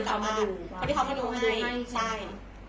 เขามาดูให้